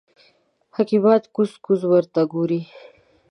حکیمان کوز کوز ورته ګوري.